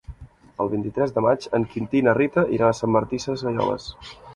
El vint-i-tres de maig en Quintí i na Rita iran a Sant Martí Sesgueioles.